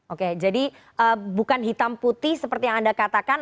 oke jadi bukan hitam putih seperti yang anda katakan